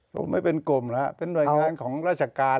ผมไม่เป็นกลุ่มแล้วเป็นหน่วยงานของราชการ